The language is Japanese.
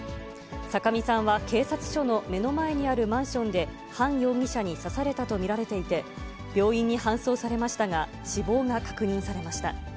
酒見さんは警察署の目の前にあるマンションで、ハン容疑者に刺されたと見られていて、病院に搬送されましたが、死亡が確認されました。